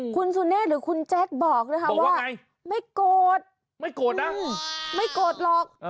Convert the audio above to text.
คุณสุเนธหรือคุณแจ๊คบอกนะคะว่าไม่โกรธไม่โกรธนะไม่โกรธหรอก